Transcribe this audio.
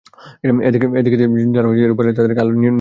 এ দেখে তিনি বলেন, যারা এরূপ বানিয়েছে তাদেরকে আল্লাহ নিপাত করুক।